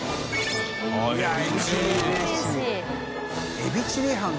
「エビチリ飯」┘